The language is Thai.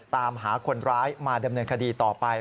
ตามหาคนร้ายมาดำเนินคดีต่อไป